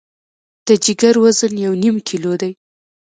د جګر وزن یو نیم کیلو دی.